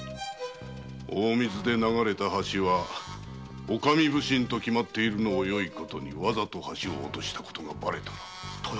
大水で流れた橋はお上普請と決まっているのをよいことにわざと橋を落としたことがバレたら。